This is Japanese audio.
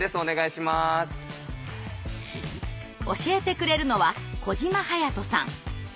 教えてくれるのは小島勇人さん。